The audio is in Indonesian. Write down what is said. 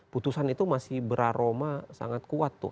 putusan itu masih beraroma sangat kuat tuh